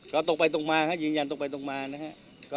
ก็ตกไปตกมาครับยืนยันตกไปตกมานะครับ